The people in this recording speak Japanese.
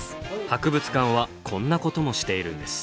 博物館はこんなこともしているんです。